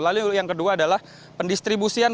lalu yang kedua adalah pendistribusian